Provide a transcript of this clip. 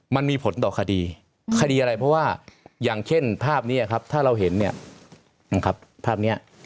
มันมีผลต่อคดีคดีอะไรเพราะว่าอย่างเช่นภาพเนี่ยครับถ้าเราเห็นเนี่ย